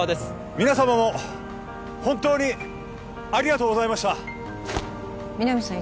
皆様も本当にありがとうございました皆実さん